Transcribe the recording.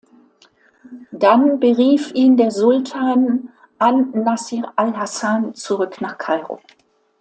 Dann berief ihn der Sultan an-Nasir al-Hasan zurück nach Kairo.